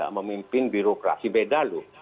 memimpin birokrasi beda lho